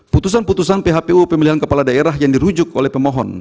putusan putusan phpu pemilihan kepala daerah yang dirujuk oleh pemohon